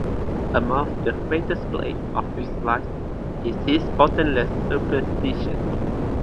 Amongst the greatest plagues of his life is his bottomless superstition.